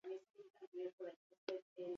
Bilbon bere izena daraman kale bat dago.